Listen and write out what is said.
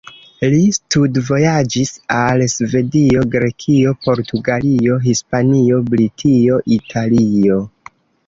Li studvojaĝis al Svedio, Grekio, Portugalio, Hispanio, Britio, Italio.